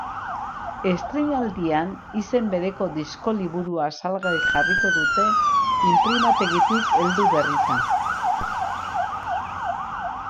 Estreinaldian, izen bereko disko-liburua salgai jarriko dute, inprimategitik heldu berritan.